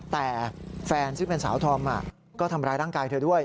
แต่แฟนซึ่งเป็นสาวธอมก็ทำร้ายร่างกายเธอด้วย